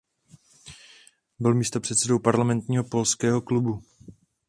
Byl místopředsedou parlamentního Polského klubu.